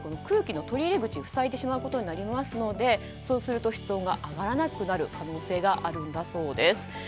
空気の取り入れ口を塞いでしまうことになりますのでそうすると室温が上がらなくなる可能性があるんだそうです。